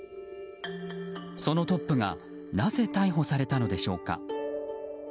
そのトップがなぜ逮捕されたのでしょうか。